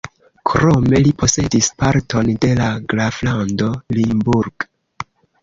Krome li posedi parton de la graflando Limburg.